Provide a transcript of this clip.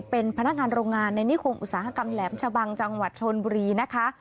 เป็นพนักงานโรงงานในนิคมอุตสาหกรรมแหลมชะบังจังหวัดชนบุรีนะคะ